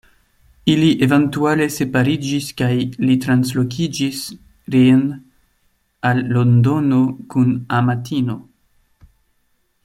Ili eventuale separiĝis kaj li translokiĝis reen al Londono kun amatino.